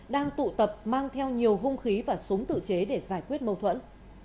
đang tụ tập mang theo nhiều hung khí và súng tự chế để giải quyết mâu thuẫn